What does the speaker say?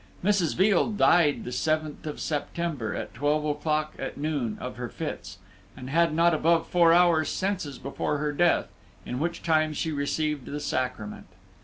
Mrs. Veal died the seventh of September, at twelve o'clock at noon, of her fits, and had not above four hours' senses before her death, in which time she received the sacrament.